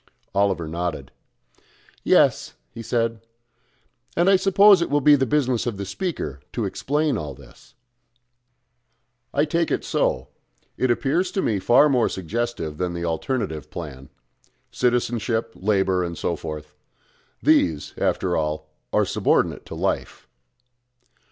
Oliver nodded. "Yes," he said. "And I suppose it will be the business of the speaker to explain all this." "I take it so. It appears to me far more suggestive than the alternative plan Citizenship, Labour, and so forth. These, after all, are subordinate to Life."